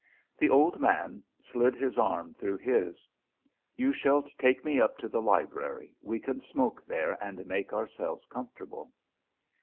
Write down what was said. The old man slid his arm through his. "You shall take me up to the library. We can smoke there, and make ourselves comfortable."